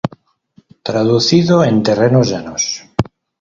Traducido en terrenos llanos.